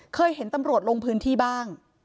เคยเห็นตำรวจลงพื้นที่บ้าง